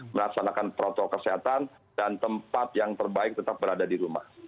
melaksanakan protokol kesehatan dan tempat yang terbaik tetap berada di rumah